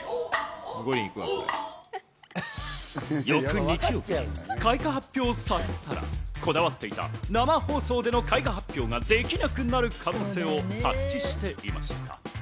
翌、日曜日に開花発表されたら、こだわっていた生放送での開花発表ができなくなる可能性を察知していました。